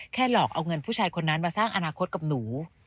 หลอกเอาเงินผู้ชายคนนั้นมาสร้างอนาคตกับหนู